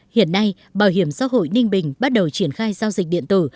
hiện nay bảo hiểm xã hội ninh bình bắt đầu triển khai giao dịch điện tử